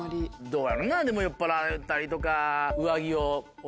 どうやろなでも酔っぱらったりとか。